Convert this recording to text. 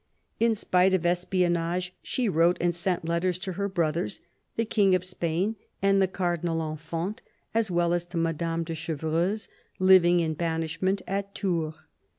In spite of espionnage, she wrote and sent letters to her brothers, the King of Spain and the Cardinal Infant, as well as to Madame de Chevreuse, living in banishment at Tours.